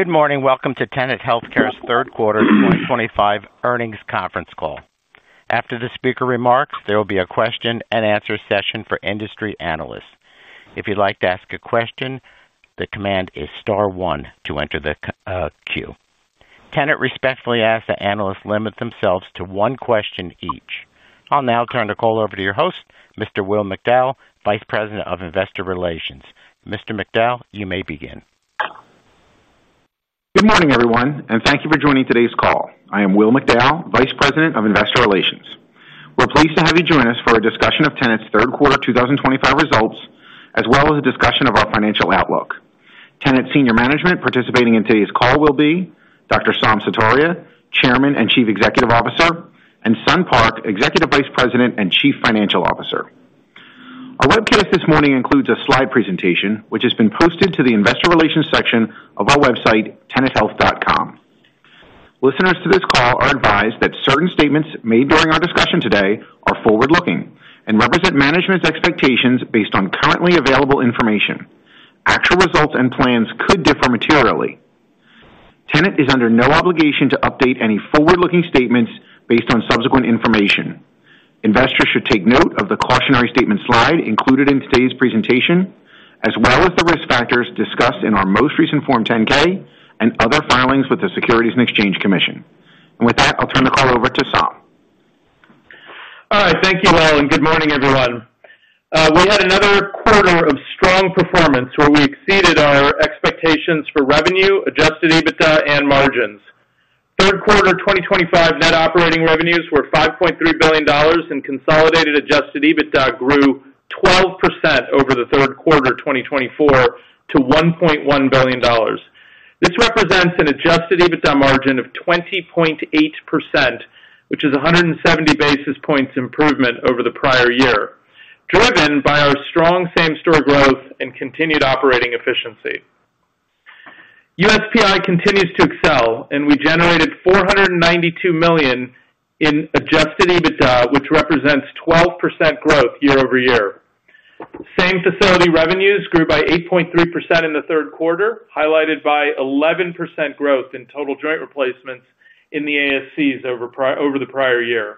Good morning. Welcome to Tenet Healthcare's third quarter 2025 earnings conference call. After the speaker remarks, there will be a question and answer session for industry analysts. If you'd like to ask a question, the command is star one to enter the queue. Tenet respectfully asks that analysts limit themselves to one question each. I'll now turn the call over to your host, Mr. Will McDowell, Vice President of Investor Relations. Mr. McDowell, you may begin. Good morning, everyone, and thank you for joining today's call. I am Will McDowell, Vice President of Investor Relations. We're pleased to have you join us for a discussion of Tenet's third quarter 2025 results, as well as a discussion of our financial outlook. Tenet's senior management participating in today's call will be Dr. Saum Sutaria, Chairman and Chief Executive Officer, and Sun Park, Executive Vice President and Chief Financial Officer. Our webcast this morning includes a slide presentation, which has been posted to the Investor Relations section of our website, tenethealth.com. Listeners to this call are advised that certain statements made during our discussion today are forward-looking and represent management's expectations based on currently available information. Actual results and plans could differ materially. Tenet is under no obligation to update any forward-looking statements based on subsequent information. Investors should take note of the cautionary statement slide included in today's presentation, as well as the risk factors discussed in our most recent Form 10-K and other filings with the Securities and Exchange Commission. With that, I'll turn the call over to Saum. All right. Thank you, Will, and good morning, everyone. We had another quarter of strong performance where we exceeded our expectations for revenue, adjusted EBITDA, and margins. Third quarter 2025 net operating revenues were $5.3 billion, and consolidated adjusted EBITDA grew 12% over the third quarter 2024 to $1.1 billion. This represents an adjusted EBITDA margin of 20.8%, which is a 170 basis points improvement over the prior year, driven by our strong same-store growth and continued operating efficiency. USPI continues to excel, and we generated $492 million in adjusted EBITDA, which represents 12% growth year-over-year. Same-facility revenues grew by 8.3% in the third quarter, highlighted by 11% growth in total joint replacements in the ASCs over the prior year.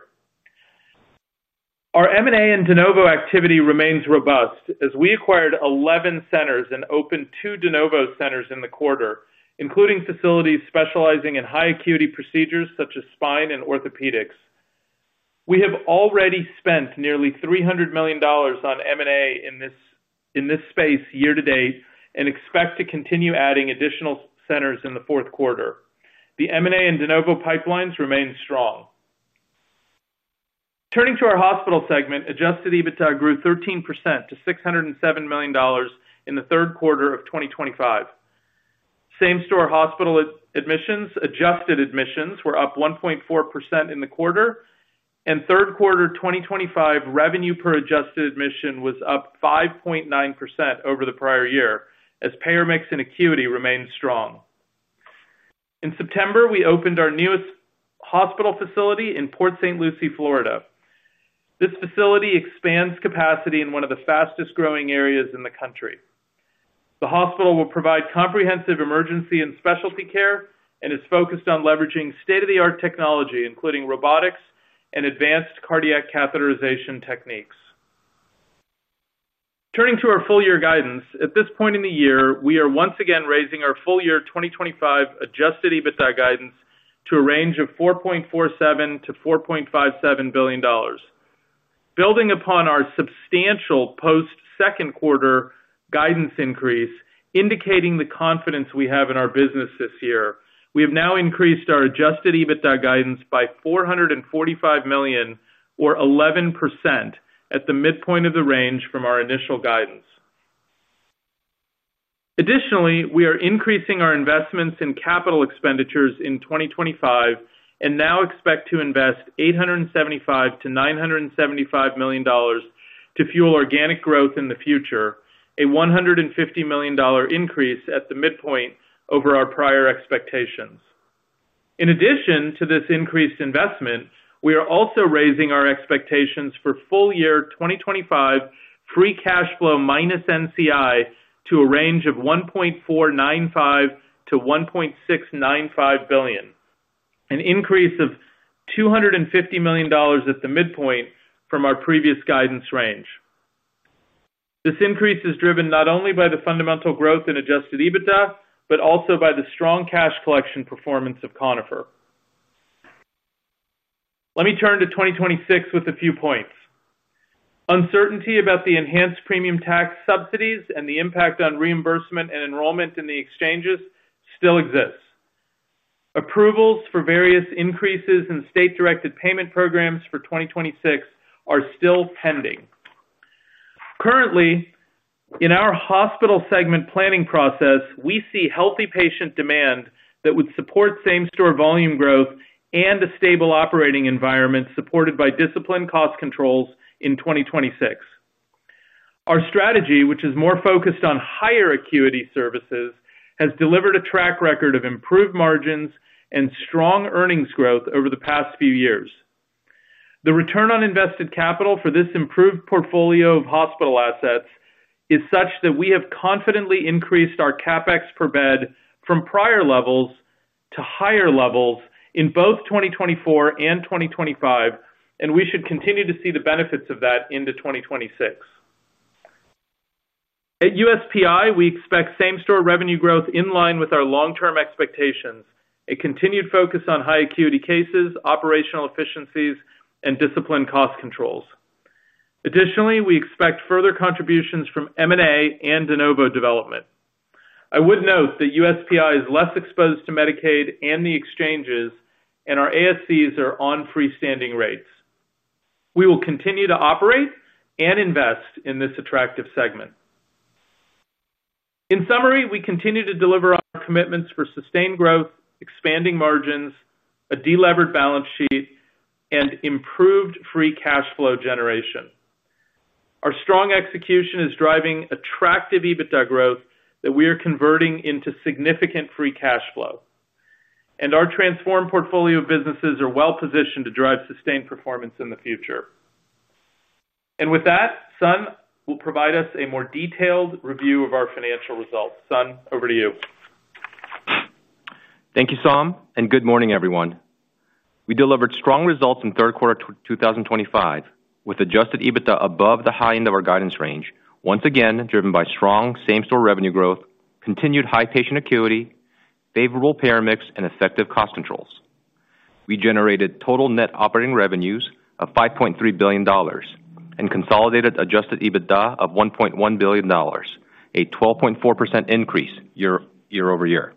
Our M&A and de novo activity remains robust, as we acquired 11 centers and opened two de novo centers in the quarter, including facilities specializing in high-acuity procedures such as spine and orthopedics. We have already spent nearly $300 million on M&A in this space year to date and expect to continue adding additional centers in the fourth quarter. The M&A and de novo pipelines remain strong. Turning to our hospital segment, adjusted EBITDA grew 13% to $607 million in the third quarter of 2025. Same-store hospital admissions, adjusted admissions, were up 1.4% in the quarter, and third quarter 2025 revenue per adjusted admission was up 5.9% over the prior year, as payer mix and acuity remained strong. In September, we opened our newest hospital facility in Port St. Lucie, Florida. This facility expands capacity in one of the fastest growing areas in the country. The hospital will provide comprehensive emergency and specialty care and is focused on leveraging state-of-the-art technology, including robotics and advanced cardiac catheterization techniques. Turning to our full-year guidance, at this point in the year, we are once again raising our full-year 2025 adjusted EBITDA guidance to a range of $4.47 billion-$4.57 billion. Building upon our substantial post-second quarter guidance increase, indicating the confidence we have in our business this year, we have now increased our adjusted EBITDA guidance by $445 million, or 11% at the midpoint of the range from our initial guidance. Additionally, we are increasing our investments in capital expenditures in 2025 and now expect to invest $875 milliom-$975 million to fuel organic growth in the future, a $150 million increase at the midpoint over our prior expectations. In addition to this increased investment, we are also raising our expectations for full-year 2025 free cash flow minus NCI to a range of $1.495 billion-$1.695 billion, an increase of $250 million at the midpoint from our previous guidance range. This increase is driven not only by the fundamental growth in adjusted EBITDA, but also by the strong cash collection performance of Conifer. Let me turn to 2026 with a few points. Uncertainty about the enhanced premium tax subsidies and the impact on reimbursement and enrollment in the exchanges still exists. Approvals for various increases in state-directed payment programs for 2026 are still pending. Currently, in our hospital segment planning process, we see healthy patient demand that would support same-store volume growth and a stable operating environment supported by disciplined cost controls in 2026. Our strategy, which is more focused on higher acuity services, has delivered a track record of improved margins and strong earnings growth over the past few years. The return on invested capital for this improved portfolio of hospital assets is such that we have confidently increased our CapEx per bed from prior levels to higher levels in both 2024 and 2025, and we should continue to see the benefits of that into 2026. At USPI, we expect same-store revenue growth in line with our long-term expectations, a continued focus on high-acuity cases, operational efficiencies, and disciplined cost controls. Additionally, we expect further contributions from M&A and de novo development. I would note that USPI is less exposed to Medicaid and the exchanges, and our ASCs are on freestanding rates. We will continue to operate and invest in this attractive segment. In summary, we continue to deliver our commitments for sustained growth, expanding margins, a delevered balance sheet, and improved free cash flow generation. Our strong execution is driving attractive EBITDA growth that we are converting into significant free cash flow, and our transformed portfolio of businesses are well positioned to drive sustained performance in the future. With that, Sun will provide us a more detailed review of our financial results. Sun, over to you. Thank you, Saum, and good morning, everyone. We delivered strong results in third quarter 2025 with adjusted EBITDA above the high end of our guidance range, once again driven by strong same-store revenue growth, continued high patient acuity, favorable payer mix, and effective cost controls. We generated total net operating revenues of $5.3 billion and consolidated adjusted EBITDA of $1.1 billion, a 12.4% increase year-over-year.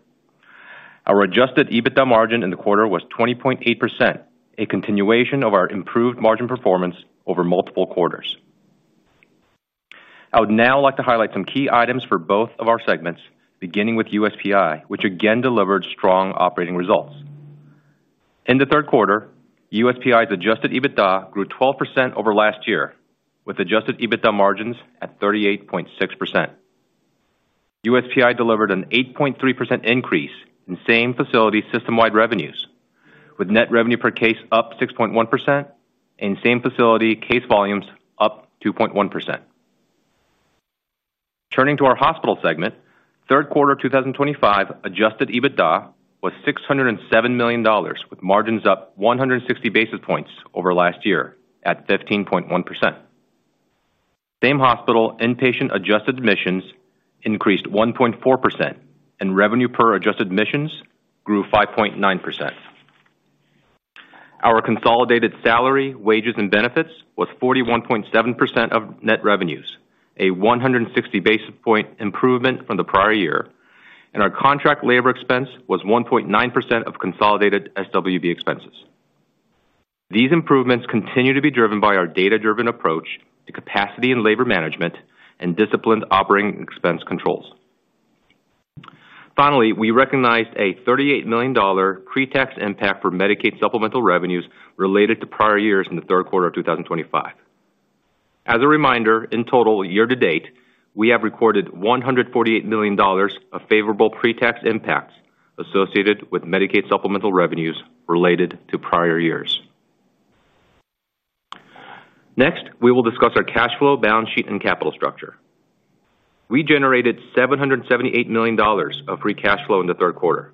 Our adjusted EBITDA margin in the quarter was 20.8%, a continuation of our improved margin performance over multiple quarters. I would now like to highlight some key items for both of our segments, beginning with USPI, which again delivered strong operating results. In the third quarter, USPI's adjusted EBITDA grew 12% over last year, with adjusted EBITDA margins at 38.6%. USPI delivered an 8.3% increase in same-facility system-wide revenues, with net revenue per case up 6.1% and same-facility case volumes up 2.1%. Turning to our hospital segment, third quarter 2025 adjusted EBITDA was $607 million, with margins up 160 basis points over last year at 15.1%. Same-hospital, inpatient adjusted admissions increased 1.4%, and revenue per adjusted admissions grew 5.9%. Our consolidated salary, wages, and benefits was 41.7% of net revenues, a 160 basis point improvement from the prior year, and our contract labor expense was 1.9% of consolidated SWV expenses. These improvements continue to be driven by our data-driven approach to capacity and labor management and disciplined operating expense controls. Finally, we recognized a $38 million pre-tax impact for Medicaid supplemental revenues related to prior years in the third quarter of 2025. As a reminder, in total year to date, we have recorded $148 million of favorable pre-tax impacts associated with Medicaid supplemental revenues related to prior years. Next, we will discuss our cash flow, balance sheet, and capital structure. We generated $778 million of free cash flow in the third quarter,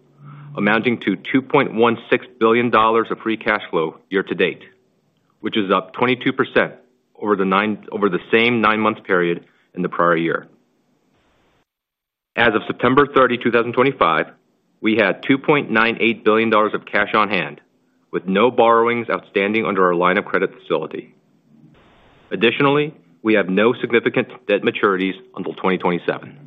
amounting to $2.16 billion of free cash flow year to date, which is up 22% over the same nine-month period in the prior year. As of September 30, 2025, we had $2.98 billion of cash on hand, with no borrowings outstanding under our line of credit facility. Additionally, we have no significant debt maturities until 2027.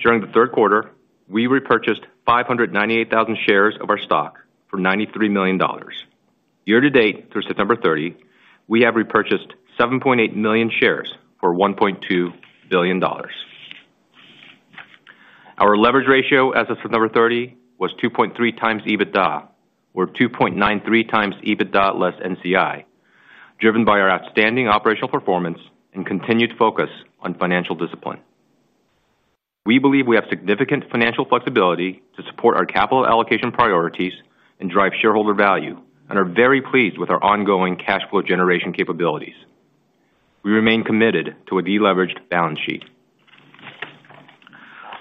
During the third quarter, we repurchased 598,000 shares of our stock for $93 million. Year to date, through September 30, we have repurchased 7.8 million shares for $1.2 billion. Our leverage ratio as of September 30 was 2.3x EBITDA, or 2.93x EBITDA less NCI, driven by our outstanding operational performance and continued focus on financial discipline. We believe we have significant financial flexibility to support our capital allocation priorities and drive shareholder value, and are very pleased with our ongoing cash flow generation capabilities. We remain committed to a deleveraged balance sheet.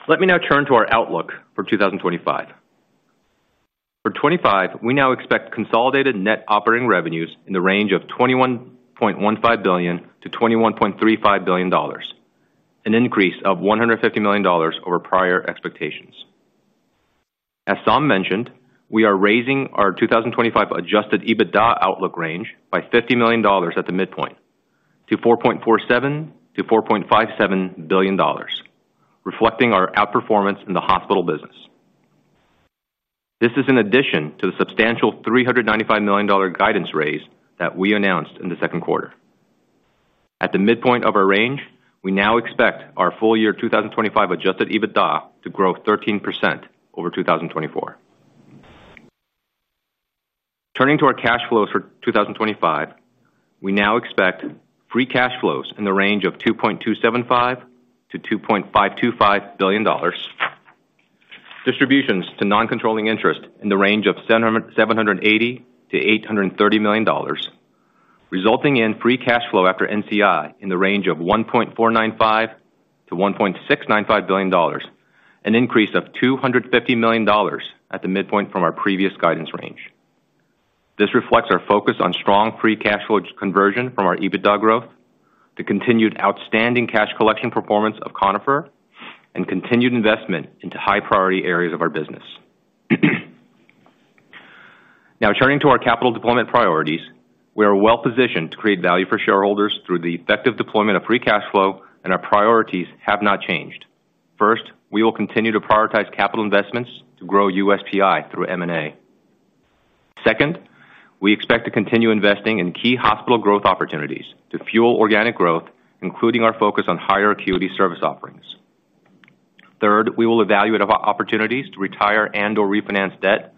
Let me now turn to our outlook for 2025. For 2025, we now expect consolidated net operating revenues in the range of $21.15 billion-$21.35 billion, an increase of $150 million over prior expectations. As Saum mentioned, we are raising our 2025 adjusted EBITDA outlook range by $50 million at the midpoint to $4.47 billion-$4.57 billion, reflecting our outperformance in the hospital business. This is in addition to the substantial $395 million guidance raise that we announced in the second quarter. At the midpoint of our range, we now expect our full-year 2025 adjusted EBITDA to grow 13% over 2024. Turning to our cash flows for 2025, we now expect free cash flows in the range of $2.275 billion-$2.525 billion, distributions to non-controlling interest in the range of $780 million-$830 million, resulting in free cash flow after NCI in the range of $1.495 billion-$1.695 billion, an increase of $250 million at the midpoint from our previous guidance range. This reflects our focus on strong free cash flow conversion from our EBITDA growth, the continued outstanding cash collection performance of Conifer, and continued investment into high-priority areas of our business. Now, turning to our capital deployment priorities, we are well positioned to create value for shareholders through the effective deployment of free cash flow, and our priorities have not changed. First, we will continue to prioritize capital investments to grow USPI through M&A. Second, we expect to continue investing in key hospital growth opportunities to fuel organic growth, including our focus on higher acuity service offerings. Third, we will evaluate opportunities to retire and/or refinance debt.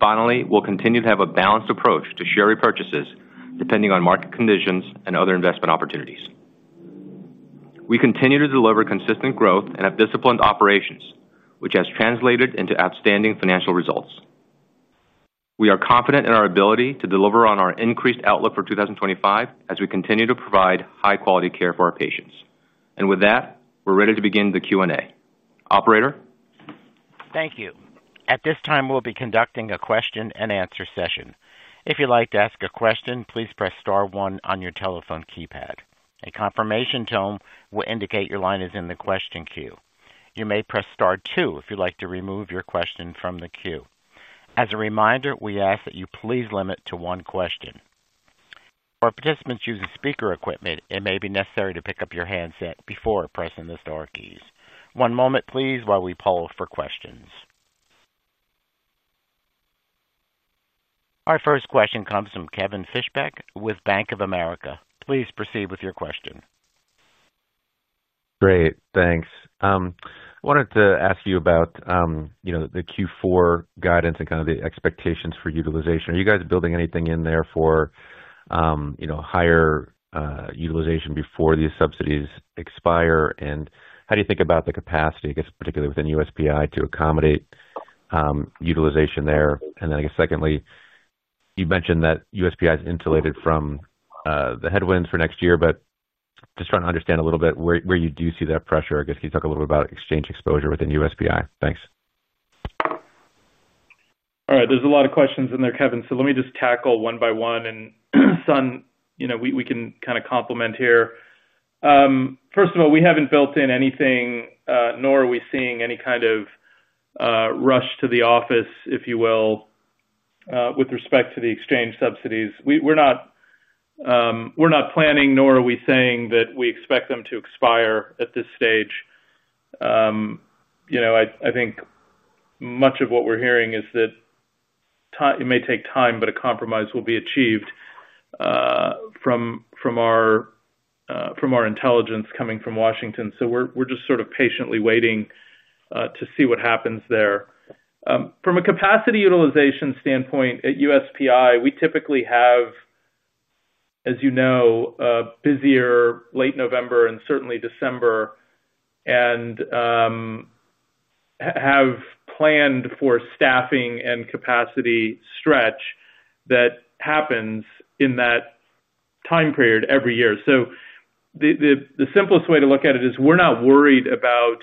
Finally, we'll continue to have a balanced approach to share repurchases depending on market conditions and other investment opportunities. We continue to deliver consistent growth and have disciplined operations, which has translated into outstanding financial results. We are confident in our ability to deliver on our increased outlook for 2025 as we continue to provide high-quality care for our patients. With that, we're ready to begin the Q&A. Operator. Thank you. At this time, we'll be conducting a question and answer session. If you'd like to ask a question, please press star one on your telephone keypad. A confirmation tone will indicate your line is in the question queue. You may press star two if you'd like to remove your question from the queue. As a reminder, we ask that you please limit to one question. For participants using speaker equipment, it may be necessary to pick up your handset before pressing the STAR keys. One moment, please, while we poll for questions. Our first question comes from Kevin Fischbeck with Bank of America. Please proceed with your question. Great. Thanks. I wanted to ask you about the Q4 guidance and the expectations for utilization. Are you guys building anything in there for higher utilization before these subsidies expire? How do you think about the capacity, particularly within USPI, to accommodate utilization there? Secondly, you mentioned that USPI is insulated from the headwinds for next year, but just trying to understand a little bit where you do see that pressure. Can you talk a little bit about exchange exposure within USPI? Thanks. All right. There's a lot of questions in there, Kevin. Let me just tackle one by one, and Sun, you know, we can kind of complement here. First of all, we haven't built in anything, nor are we seeing any kind of rush to the office, if you will, with respect to the exchange subsidies. We're not planning, nor are we saying that we expect them to expire at this stage. I think much of what we're hearing is that it may take time, but a compromise will be achieved from our intelligence coming from Washington. We are just sort of patiently waiting to see what happens there. From a capacity utilization standpoint at USPI, we typically have, as you know, a busier late November and certainly December and have planned for staffing and capacity stretch that happens in that time period every year. The simplest way to look at it is we're not worried about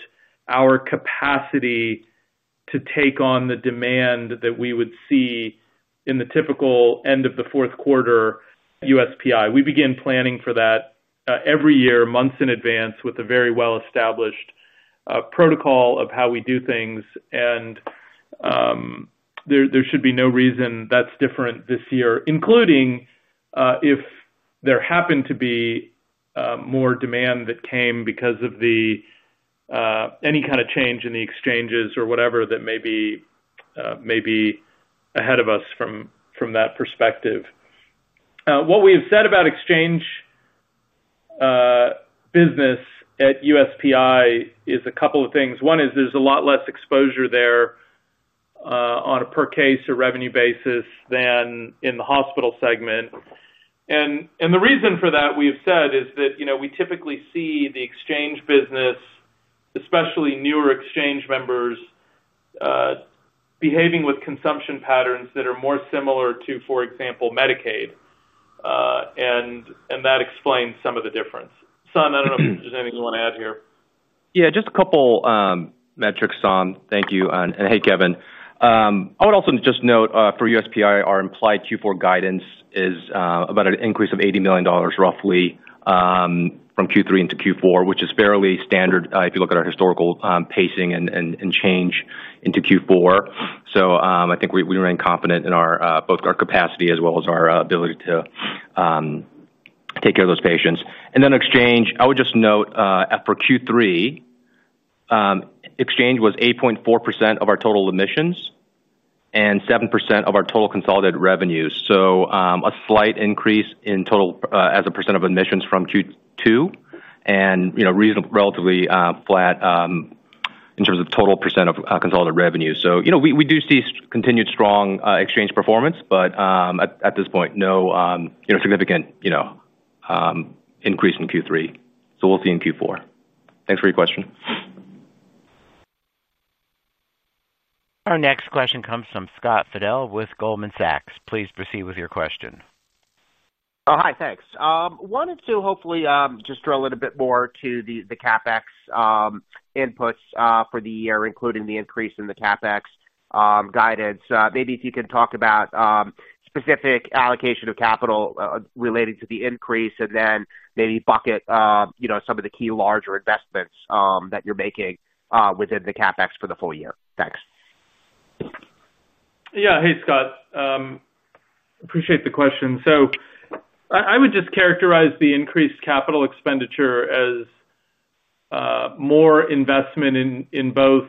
our capacity to take on the demand that we would see in the typical end of the fourth quarter at USPI. We begin planning for that every year, months in advance, with a very well-established protocol of how we do things. There should be no reason that's different this year, including if there happened to be more demand that came because of any kind of change in the exchanges or whatever that may be ahead of us from that perspective. What we have said about exchange business at USPI is a couple of things. One is there's a lot less exposure there on a per case or revenue basis than in the hospital segment. The reason for that, we have said, is that we typically see the exchange business, especially newer exchange members, behaving with consumption patterns that are more similar to, for example, Medicaid. That explains some of the difference. Sun, I don't know if there's anything you want to add here. Yeah, just a couple metrics, Saum. Thank you. Hey, Kevin. I would also just note for USPI, our implied Q4 guidance is about an increase of $80 million, roughly from Q3 into Q4, which is fairly standard if you look at our historical pacing and change into Q4. I think we remain confident in both our capacity as well as our ability to take care of those patients. Exchange, I would just note for Q3, exchange was 8.4% of our total admissions and 7% of our total consolidated revenues. A slight increase in total as a percent of admissions from Q2 and, you know, relatively flat in terms of total percent of consolidated revenues. We do see continued strong exchange performance, but at this point, no significant, you know, increase in Q3. We'll see in Q4. Thanks for your question. Our next question comes from Scott Fidel with Goldman Sachs. Please proceed with your question. Oh, hi. Thanks. Wanted to hopefully just drill a little bit more to the CapEx inputs for the year, including the increase in the CapEx guidance. Maybe if you can talk about specific allocation of capital related to the increase, and then maybe bucket some of the key larger investments that you're making within the CapEx for the full year. Thanks. Yeah. Hey, Scott. Appreciate the question. I would just characterize the increased capital expenditure as more investment in both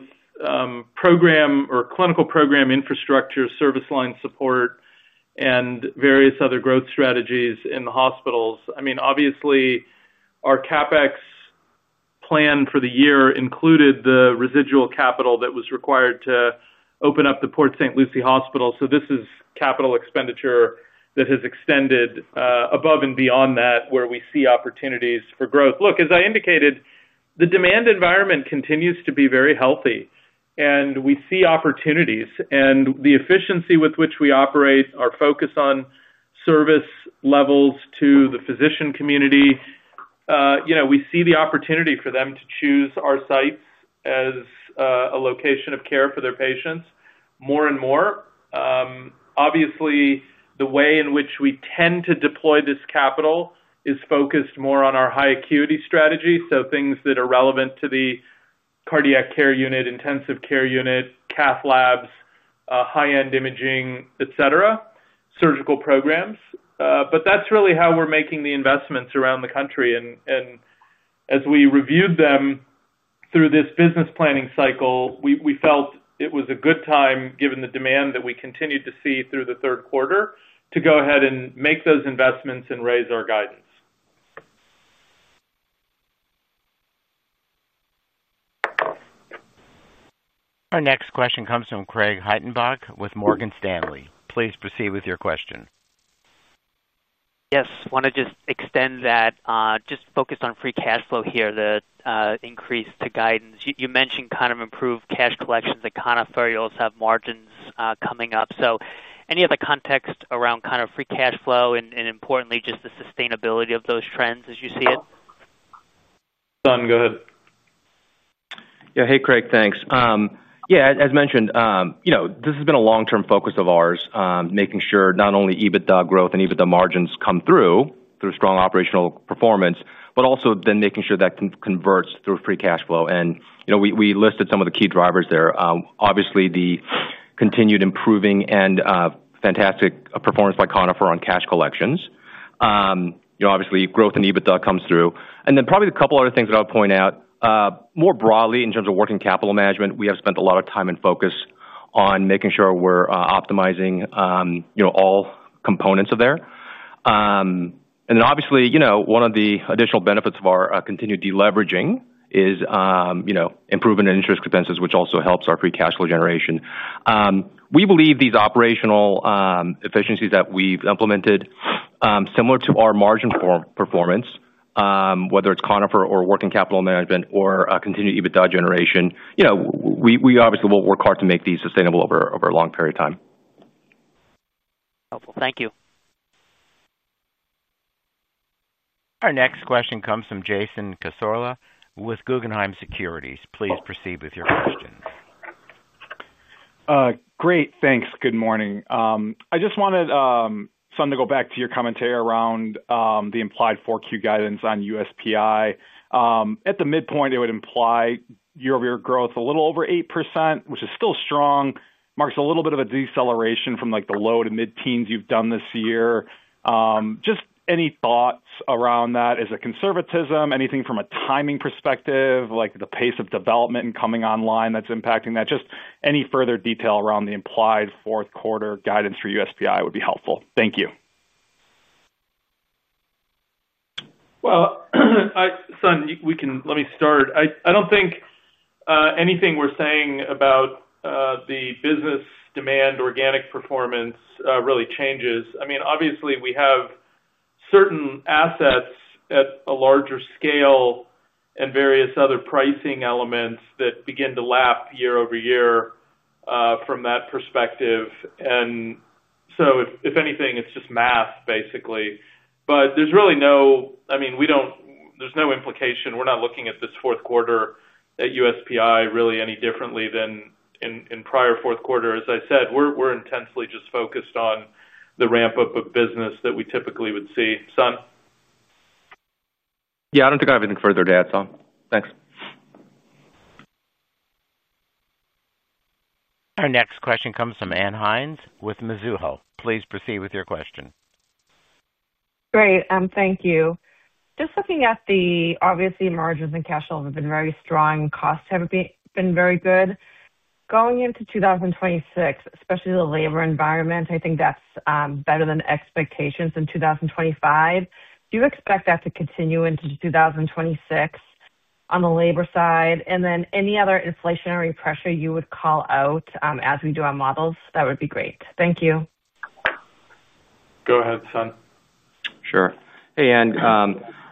program or clinical program infrastructure, service line support, and various other growth strategies in the hospitals. Obviously, our CapEx plan for the year included the residual capital that was required to open up the Port St. Lucie Hospital. This is capital expenditure that has extended above and beyond that where we see opportunities for growth. As I indicated, the demand environment continues to be very healthy, and we see opportunities. The efficiency with which we operate, our focus on service levels to the physician community, you know, we see the opportunity for them to choose our sites as a location of care for their patients more and more. Obviously, the way in which we tend to deploy this capital is focused more on our high-acuity strategy, things that are relevant to the cardiac care unit, intensive care unit, cath labs, high-end imaging, etc., surgical programs. That's really how we're making the investments around the country. As we reviewed them through this business planning cycle, we felt it was a good time, given the demand that we continued to see through the third quarter, to go ahead and make those investments and raise our guidance. Our next question comes from Craig Hettenbach with Morgan Stanley. Please proceed with your question. Yes. Want to just extend that, just focused on free cash flow here, the increase to guidance. You mentioned kind of improved cash collections at Conifer. You also have margins coming up. Any other context around kind of free cash flow and, importantly, just the sustainability of those trends as you see it? Sun, go ahead. Yeah. Hey, Craig. Thanks. As mentioned, this has been a long-term focus of ours, making sure not only EBITDA growth and EBITDA margins come through through strong operational performance, but also making sure that converts through free cash flow. We listed some of the key drivers there. Obviously, the continued improving and fantastic performance by Conifer on cash collections. Obviously, growth in EBITDA comes through. Probably a couple other things that I would point out. More broadly, in terms of working capital management, we have spent a lot of time and focus on making sure we're optimizing all components of there. Obviously, one of the additional benefits of our continued deleveraging is improvement in interest expenses, which also helps our free cash flow generation. We believe these operational efficiencies that we've implemented, similar to our margin performance, whether it's Conifer or working capital management or continued EBITDA generation, we obviously will work hard to make these sustainable over a long period of time. Helpful. Thank you. Our next question comes from Jason Cassorla with Guggenheim Securities. Please proceed with your question. Great. Thanks. Good morning. I just wanted, Sun, to go back to your commentary around the implied 4Q guidance on USPI. At the midpoint, it would imply year-over-year growth a little over 8%, which is still strong, marks a little bit of a deceleration from like the low to mid-teens you've done this year. Just any thoughts around that as a conservatism, anything from a timing perspective, like the pace of development and coming online that's impacting that? Just any further detail around the implied fourth quarter guidance for USPI would be helpful. Thank you. Sun, let me start. I don't think anything we're saying about the business demand, organic performance really changes. Obviously, we have certain assets at a larger scale and various other pricing elements that begin to lap year-over-year from that perspective. If anything, it's just math, basically. There's really no, I mean, we don't, there's no implication. We're not looking at this fourth quarter at USPI really any differently than in prior fourth quarters. As I said, we're intensely just focused on the ramp-up of business that we typically would see. Sun? Yeah, I don't think I have anything further to add, Saum. Thanks. Our next question comes from Ann Hynes with Mizuho. Please proceed with your question. Great. Thank you. Just looking at the, obviously, margins and cash flow have been very strong. Costs have been very good. Going into 2026, especially the labor environment, I think that's better than expectations in 2025. Do you expect that to continue into 2026 on the labor side? Any other inflationary pressure you would call out as we do our models, that would be great. Thank you. Go ahead, Sun. Sure. Hey, Ann.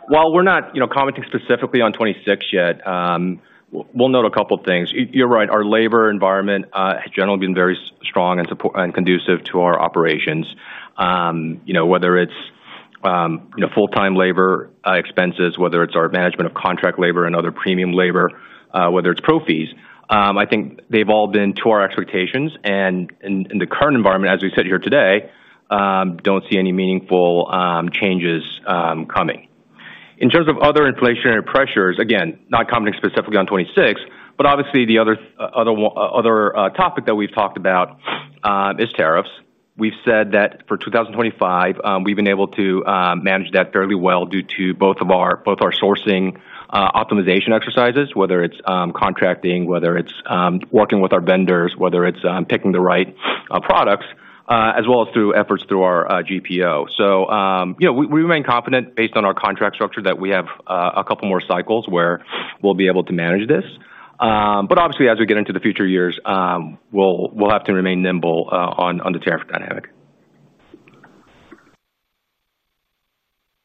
While we're not, you know, commenting specifically on 2026 yet, we'll note a couple of things. You're right. Our labor environment has generally been very strong and conducive to our operations. You know, whether it's full-time labor expenses, whether it's our management of contract labor and other premium labor, whether it's pro fees, I think they've all been to our expectations. In the current environment, as we sit here today, don't see any meaningful changes coming. In terms of other inflationary pressures, again, not commenting specifically on 2026, but obviously the other topic that we've talked about is tariffs. We've said that for 2025, we've been able to manage that fairly well due to both our sourcing optimization exercises, whether it's contracting, whether it's working with our vendors, whether it's picking the right products, as well as through efforts through our GPO. We remain confident based on our contract structure that we have a couple more cycles where we'll be able to manage this. Obviously, as we get into the future years, we'll have to remain nimble on the tariff dynamic.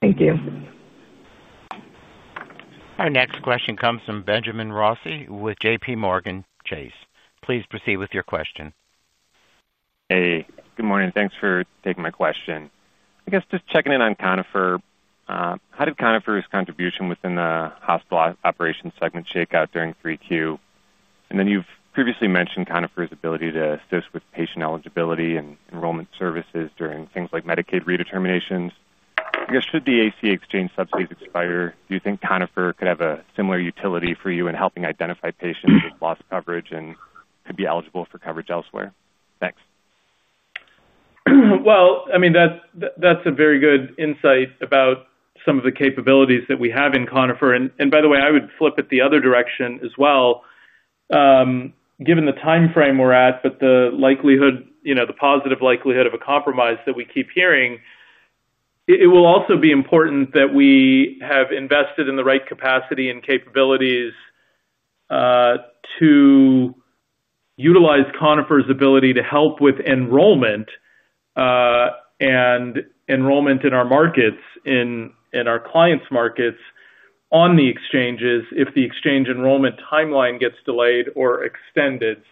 Thank you. Our next question comes from Benjamin Rossi with JPMorgan Chase. Please proceed with your question. Hey. Good morning. Thanks for taking my question. I guess just checking in on Conifer. How did Conifer's contribution within the hospital operations segment shake out during 3Q? You've previously mentioned Conifer's ability to assist with patient eligibility and enrollment services during things like Medicaid redeterminations. I guess, should the ACA exchange subsidies expire, do you think Conifer could have a similar utility for you in helping identify patients with lost coverage and could be eligible for coverage elsewhere? Thanks. That's a very good insight about some of the capabilities that we have in Conifer. By the way, I would flip it the other direction as well. Given the timeframe we're at, but the likelihood, you know, the positive likelihood of a compromise that we keep hearing, it will also be important that we have invested in the right capacity and capabilities to utilize Conifer's ability to help with enrollment and enrollment in our markets, in our clients' markets on the exchanges if the exchange enrollment timeline gets delayed or extended.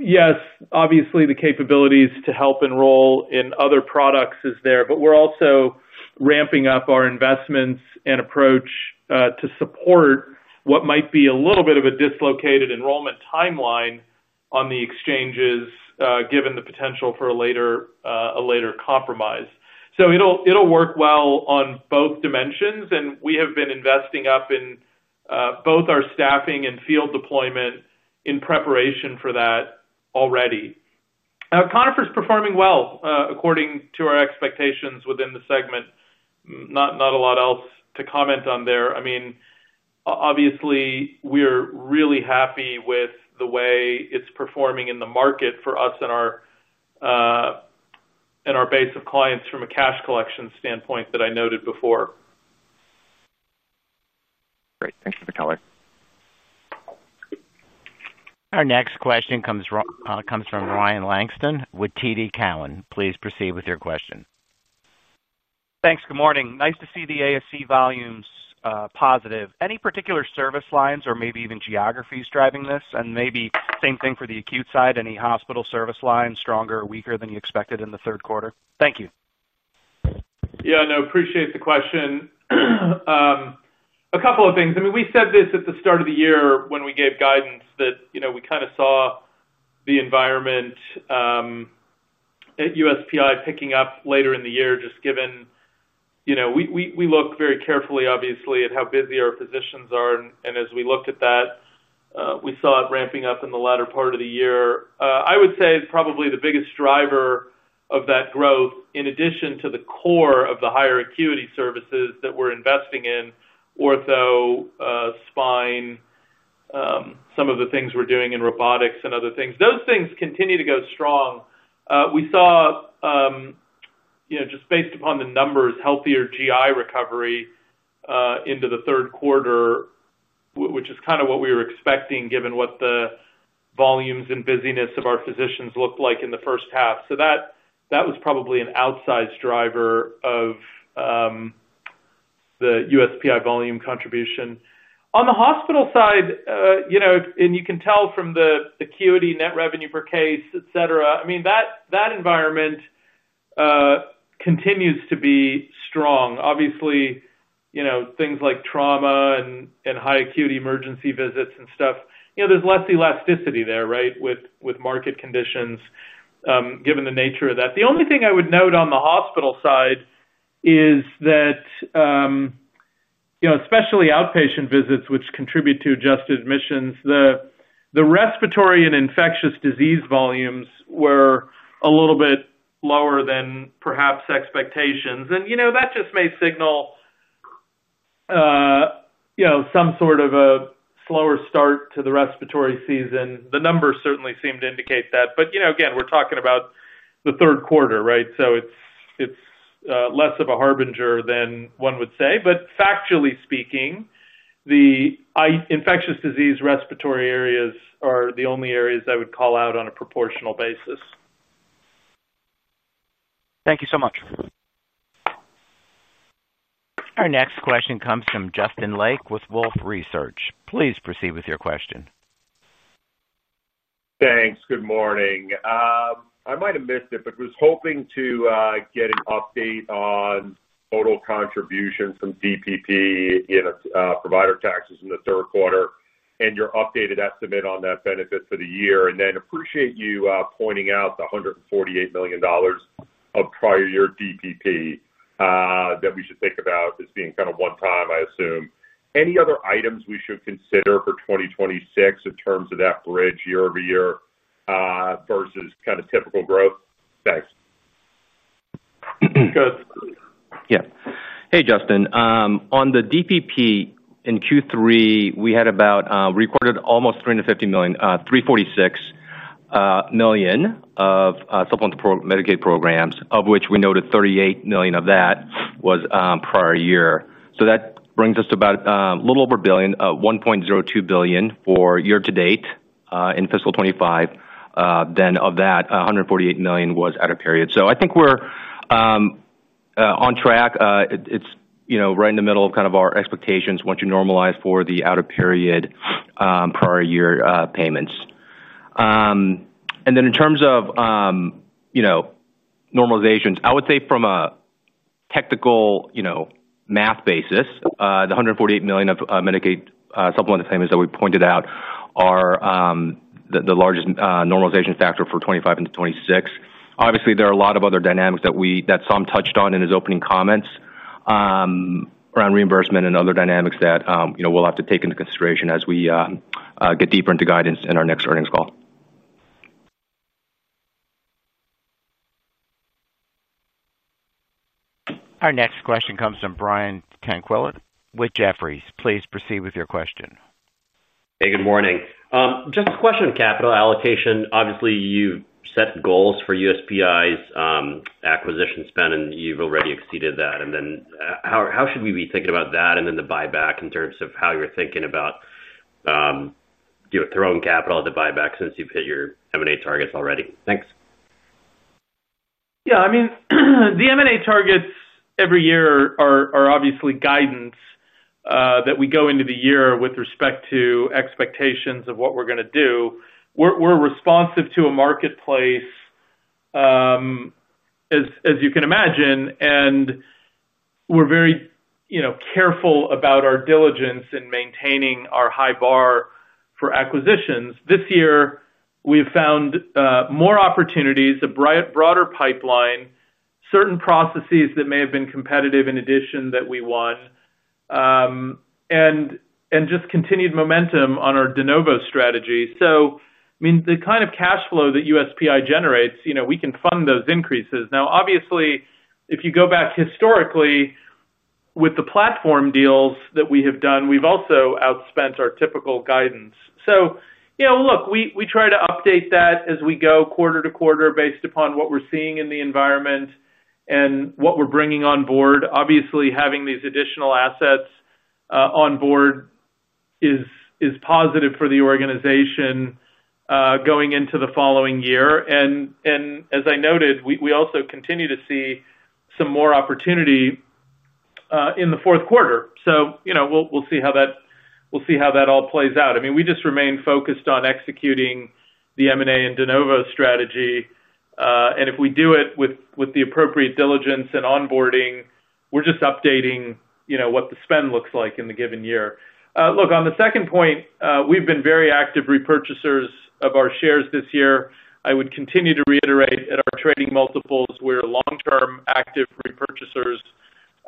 Yes, obviously, the capabilities to help enroll in other products are there, but we're also ramping up our investments and approach to support what might be a little bit of a dislocated enrollment timeline on the exchanges, given the potential for a later compromise. It'll work well on both dimensions, and we have been investing up in both our staffing and field deployment in preparation for that already. Conifer's performing well according to our expectations within the segment. Not a lot else to comment on there. We're really happy with the way it's performing in the market for us and our base of clients from a cash collection standpoint that I noted before. Great. Thanks for the color. Our next question comes from Ryan Langston with TD Cowen. Please proceed with your question. Thanks. Good morning. Nice to see the ASC volumes positive. Any particular service lines or maybe even geographies driving this? Maybe same thing for the acute side, any hospital service lines stronger or weaker than you expected in the third quarter? Thank you. Yeah, no, appreciate the question. A couple of things. I mean, we said this at the start of the year when we gave guidance that, you know, we kind of saw the environment at USPI picking up later in the year, just given, you know, we look very carefully, obviously, at how busy our physicians are. As we looked at that, we saw it ramping up in the latter part of the year. I would say probably the biggest driver of that growth, in addition to the core of the higher acuity services that we're investing in, ortho, spine, some of the things we're doing in robotics and other things, those things continue to go strong. We saw, just based upon the numbers, healthier GI recovery into the third quarter, which is kind of what we were expecting given what the volumes and busyness of our physicians looked like in the first half. That was probably an outsized driver of the USPI volume contribution. On the hospital side, you know, and you can tell from the acuity net revenue per case, etc., that environment continues to be strong. Obviously, things like trauma and high-acuity emergency visits and stuff, there's less elasticity there, right, with market conditions, given the nature of that. The only thing I would note on the hospital side is that, especially outpatient visits, which contribute to adjusted admissions, the respiratory and infectious disease volumes were a little bit lower than perhaps expectations. That just may signal some sort of a slower start to the respiratory season. The numbers certainly seem to indicate that. Again, we're talking about the third quarter, right? It is less of a harbinger than one would say. Factually speaking, the infectious disease respiratory areas are the only areas I would call out on a proportional basis. Thank you so much. Our next question comes from Justin Lake with Wolfe Research. Please proceed with your question. Thanks. Good morning. I might have missed it, but I was hoping to get an update on total contribution from DPP in provider taxes in the third quarter and your updated estimate on that benefit for the year. I appreciate you pointing out the $148 million of prior year DPP that we should think about as being kind of one-time, I assume. Any other items we should consider for 2026 in terms of that bridge year-over-year versus kind of typical growth? Thanks. Good. Yeah. Hey, Justin. On the DPP in Q3, we had about recorded almost $350 million, $346 million of supplemental Medicaid programs, of which we noted $38 million of that was prior year. That brings us to a little over $1 billion, $1.02 billion for year to date in fiscal 2025. Of that, $148 million was out-of-period. I think we're on track. It's right in the middle of our expectations once you normalize for the out-of-period prior year payments. In terms of normalizations, I would say from a technical math basis, the $148 million of Medicaid supplemental payments that we pointed out are the largest normalization factor for 2025 into 2026. Obviously, there are a lot of other dynamics that Saum touched on in his opening comments around reimbursement and other dynamics that we'll have to take into consideration as we get deeper into guidance in our next earnings call. Our next question comes from Brian Tanquilut with Jefferies. Please proceed with your question. Hey, good morning. Just this question of capital allocation. Obviously, you've set goals for USPI's acquisition spend, and you've already exceeded that. How should we be thinking about that and the buyback in terms of how you're thinking about, you know, throwing capital at the buyback since you've hit your M&A targets already? Thanks. Yeah. I mean, the M&A targets every year are obviously guidance that we go into the year with respect to expectations of what we're going to do. We're responsive to a marketplace, as you can imagine, and we're very careful about our diligence in maintaining our high bar for acquisitions. This year, we've found more opportunities, a broader pipeline, certain processes that may have been competitive in addition that we won, and just continued momentum on our de novo strategies. I mean, the kind of cash flow that USPI generates, we can fund those increases. Now, obviously, if you go back historically, with the platform deals that we have done, we've also outspent our typical guidance. We try to update that as we go quarter to quarter based upon what we're seeing in the environment and what we're bringing on board. Obviously, having these additional assets on board is positive for the organization going into the following year. As I noted, we also continue to see some more opportunity in the fourth quarter. We'll see how that all plays out. I mean, we just remain focused on executing the M&A and de novo strategy. If we do it with the appropriate diligence and onboarding, we're just updating what the spend looks like in the given year. Look, on the second point, we've been very active repurchasers of our shares this year. I would continue to reiterate at our trading multiples. We're long-term active repurchasers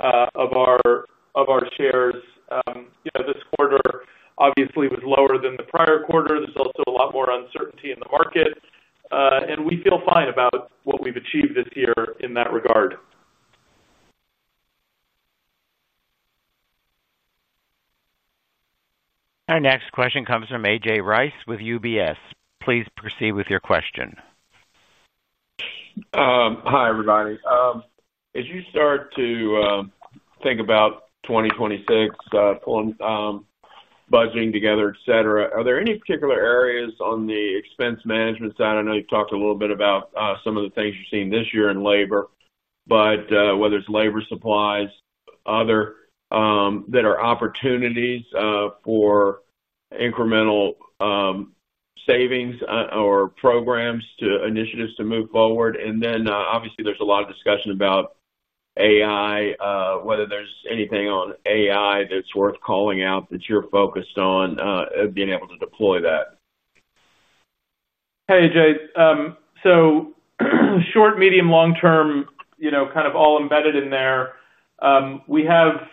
of our shares. This quarter obviously was lower than the prior quarter. There's also a lot more uncertainty in the market. We feel fine about what we've achieved this year in that regard. Our next question comes from A.J. Rice with UBS. Please proceed with your question. Hi, everybody. As you start to think about 2026, pulling budgeting together, etc., are there any particular areas on the expense management side? I know you've talked a little bit about some of the things you're seeing this year in labor, whether it's labor, supplies, other, that are opportunities for incremental savings or programs to initiatives to move forward. Obviously, there's a lot of discussion about AI, whether there's anything on AI that's worth calling out that you're focused on being able to deploy that. Hey, A.J. So short, medium, long-term, you know, kind of all embedded in there. We have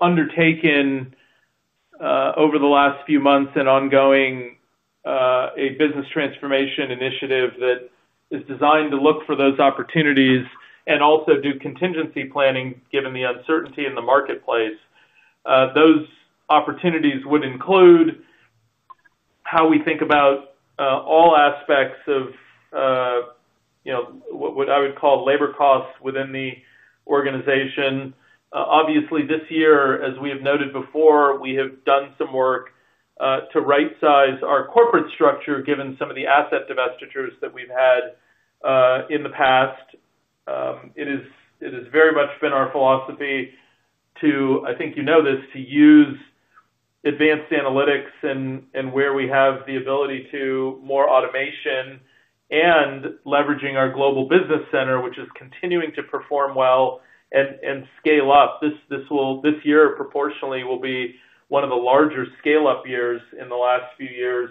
undertaken over the last few months an ongoing business transformation initiative that is designed to look for those opportunities and also do contingency planning given the uncertainty in the marketplace. Those opportunities would include how we think about all aspects of, you know, what I would call labor costs within the organization. Obviously, this year, as we have noted before, we have done some work to right-size our corporate structure given some of the asset divestitures that we've had in the past. It has very much been our philosophy to, I think you know this, to use advanced analytics and where we have the ability to more automation and leveraging our global business center, which is continuing to perform well and scale up. This year, proportionally, will be one of the larger scale-up years in the last few years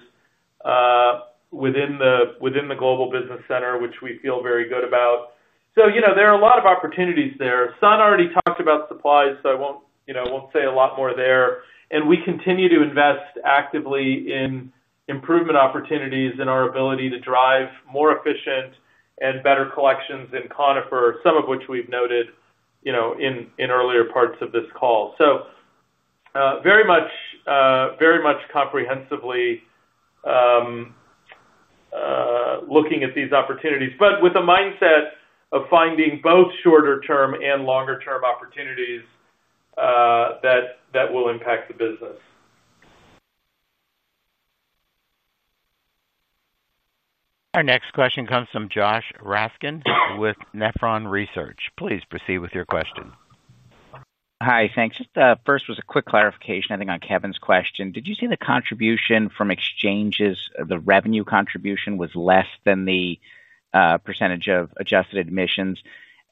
within the global business center, which we feel very good about. There are a lot of opportunities there. Sun already talked about supplies, so I won't, you know, I won't say a lot more there. We continue to invest actively in improvement opportunities in our ability to drive more efficient and better collections in Conifer, some of which we've noted, you know, in earlier parts of this call. Very much, very much comprehensively looking at these opportunities, but with a mindset of finding both shorter-term and longer-term opportunities that will impact the business. Our next question comes from Josh Raskin with Nephron Research. Please proceed with your question. Hi. Thanks. Just first was a quick clarification, I think, on Kevin's question. Did you see the contribution from exchanges? The revenue contribution was less than the percentage of adjusted admissions.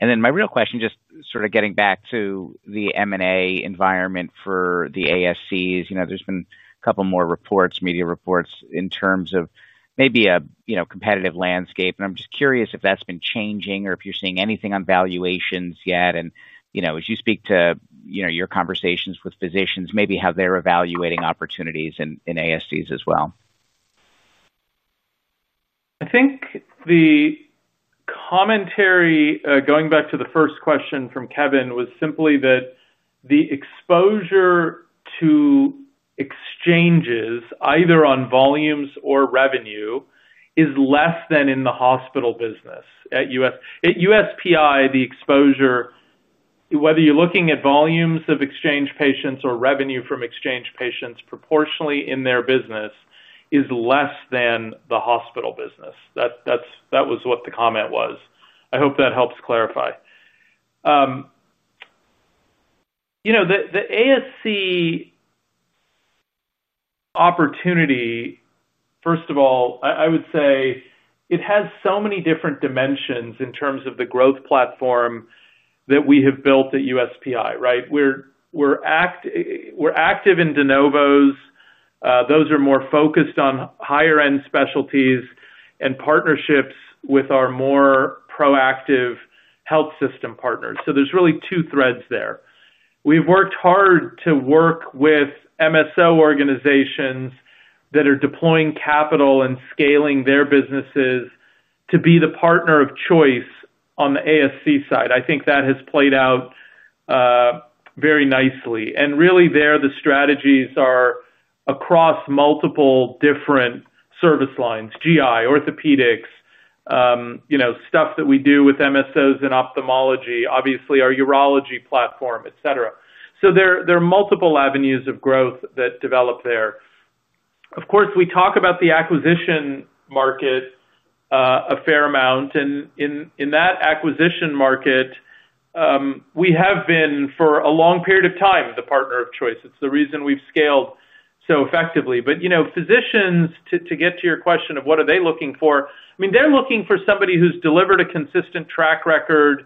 My real question, just sort of getting back to the M&A environment for the ASCs, there have been a couple more reports, media reports in terms of maybe a competitive landscape. I'm just curious if that's been changing or if you're seeing anything on valuations yet. As you speak to your conversations with physicians, maybe how they're evaluating opportunities in ASCs as well. I think the commentary, going back to the first question from Kevin, was simply that the exposure to exchanges, either on volumes or revenue, is less than in the hospital business. At USPI, the exposure, whether you're looking at volumes of exchange patients or revenue from exchange patients, proportionally in their business, is less than the hospital business. That was what the comment was. I hope that helps clarify. The ASC opportunity, first of all, I would say it has so many different dimensions in terms of the growth platform that we have built at USPI, right? We're active in de novo development. Those are more focused on higher-end specialties and partnerships with our more proactive health system partners. There are really two threads there. We've worked hard to work with MSO organizations that are deploying capital and scaling their businesses to be the partner of choice on the ASC side. I think that has played out very nicely. The strategies are across multiple different service lines: GI, orthopedics, things that we do with MSOs in ophthalmology, obviously, our urology platform, etc. There are multiple avenues of growth that develop there. Of course, we talk about the acquisition market a fair amount. In that acquisition market, we have been for a long period of time the partner of choice. It's the reason we've scaled so effectively. Physicians, to get to your question of what are they looking for, I mean, they're looking for somebody who's delivered a consistent track record,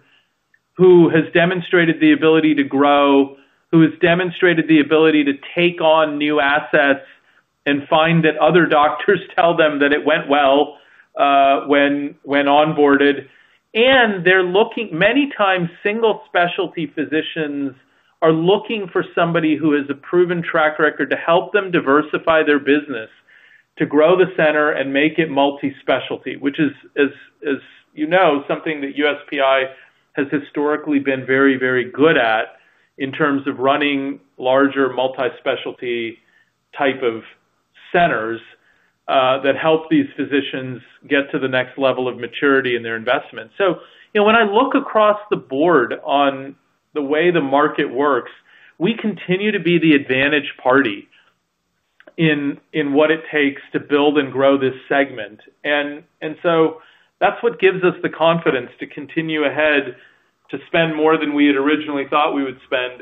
who has demonstrated the ability to grow, who has demonstrated the ability to take on new assets and find that other doctors tell them that it went well when onboarded. Many times, single specialty physicians are looking for somebody who has a proven track record to help them diversify their business to grow the center and make it multi-specialty, which is, as you know, something that USPI has historically been very, very good at in terms of running larger multi-specialty type of centers that help these physicians get to the next level of maturity in their investment. When I look across the board on the way the market works, we continue to be the advantage party in what it takes to build and grow this segment. That's what gives us the confidence to continue ahead, to spend more than we had originally thought we would spend,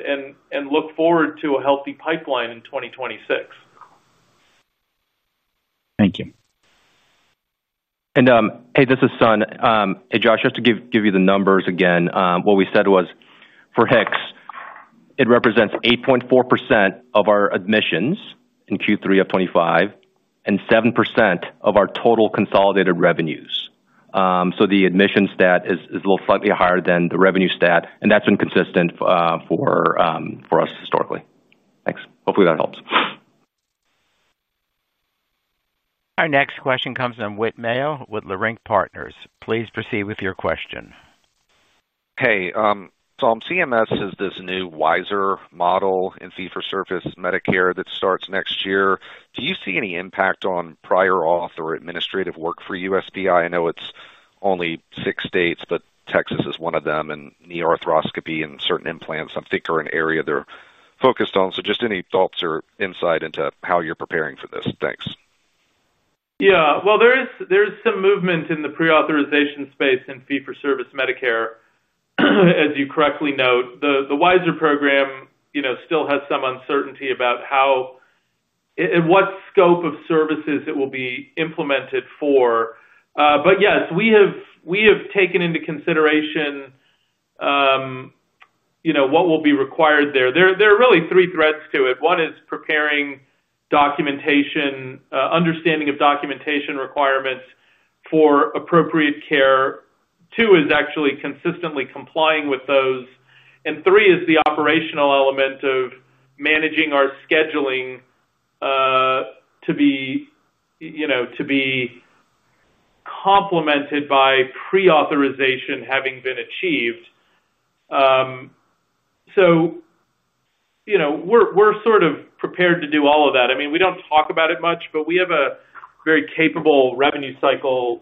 and look forward to a healthy pipeline in 2026. Thank you. This is Sun. Hey, Josh, just to give you the numbers again, what we said was for HICS, it represents 8.4% of our admissions in Q3 of 2025 and 7% of our total consolidated revenues. The admissions stat is slightly higher than the revenue stat, and that's been consistent for us historically. Thanks. Hopefully, that helps. Our next question comes from Whit Mayo with Leerink Partners. Please proceed with your question. Hey, Saum. CMS has this new WISeR model in fee-for-service Medicare that starts next year. Do you see any impact on prior auth or administrative work for USPI? I know it's only six states, but Texas is one of them, and knee arthroscopy and certain implants, I think, are an area they're focused on. Just any thoughts or insight into how you're preparing for this? Thanks. Yeah. There is some movement in the pre-authorization space in fee-for-service Medicare, as you correctly note. The WISeR program, you know, still has some uncertainty about how and what scope of services it will be implemented for. Yes, we have taken into consideration, you know, what will be required there. There are really three threads to it. One is preparing documentation, understanding of documentation requirements for appropriate care. Two is actually consistently complying with those. Three is the operational element of managing our scheduling to be, you know, to be complemented by pre-authorization having been achieved. You know, we're sort of prepared to do all of that. I mean, we don't talk about it much, but we have a very capable revenue cycle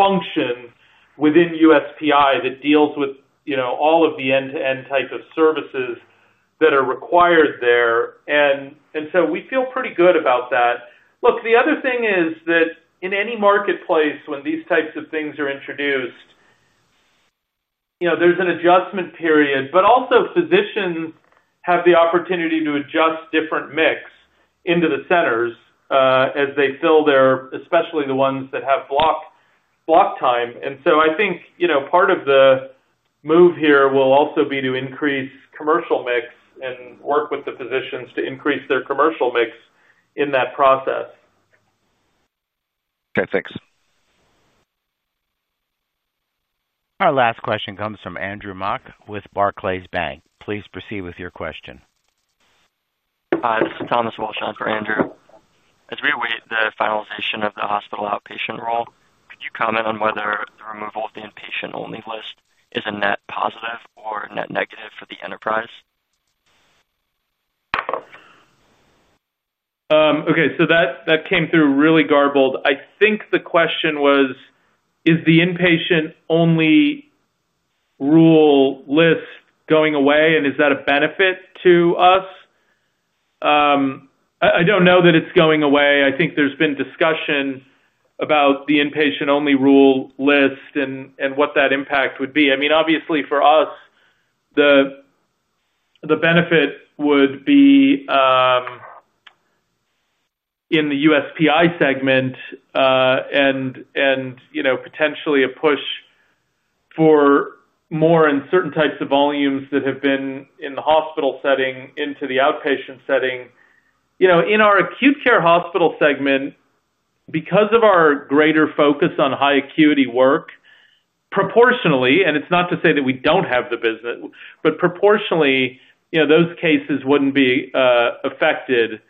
function within USPI that deals with, you know, all of the end-to-end type of services that are required there. We feel pretty good about that. Look, the other thing is that in any marketplace when these types of things are introduced, you know, there's an adjustment period, but also physicians have the opportunity to adjust different mix into the centers as they fill their, especially the ones that have block time. I think, you know, part of the move here will also be to increase commercial mix and work with the physicians to increase their commercial mix in that process. Okay. Thanks. Our last question comes from Andrew Mok with Barclays Bank. Please proceed with your question. Hi. This is Thomas Walsh on for Andrew. As we await the finalization of the hospital outpatient rule, could you comment on whether the removal of the inpatient-only list is a net positive or net negative for the enterprise? Okay. That came through really garbled. I think the question was, is the inpatient-only rule list going away, and is that a benefit to us? I don't know that it's going away. I think there's been discussion about the inpatient-only rule list and what that impact would be. Obviously, for us, the benefit would be in the USPI segment and, you know, potentially a push for more in certain types of volumes that have been in the hospital setting into the outpatient setting. In our acute care hospital segment, because of our greater focus on high-acuity work, proportionally, and it's not to say that we don't have the business, but proportionally, those cases wouldn't be affected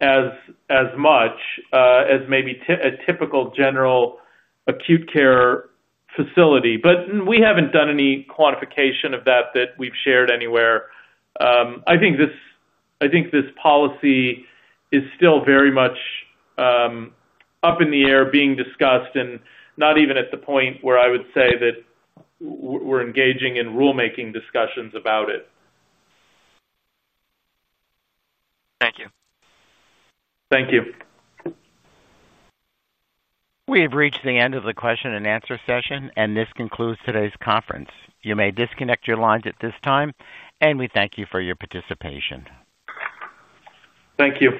as much as maybe a typical general acute care facility. We haven't done any quantification of that that we've shared anywhere. I think this policy is still very much up in the air being discussed and not even at the point where I would say that we're engaging in rulemaking discussions about it. Thank you. Thank you. We have reached the end of the question and answer session, and this concludes today's conference. You may disconnect your lines at this time, and we thank you for your participation. Thank you.